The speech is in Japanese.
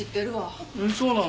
そうなの？